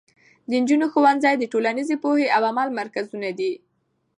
د نجونو ښوونځي د ټولنیزې پوهې او عمل مرکزونه دي.